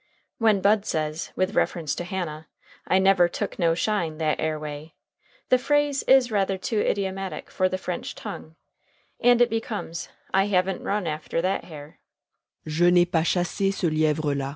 When Bud says, with reference to Hannah, "I never took no shine that air way," the phrase is rather too idiomatic for the French tongue, and it becomes "I haven't run after that hare" ("Je n'ai pas chassé ce lièvre la").